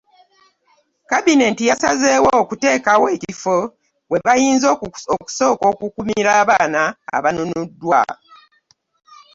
Kabinenti yasazeewo okuteekawo ekifo webayinza okusooka okukuumira abaana abanunuddwa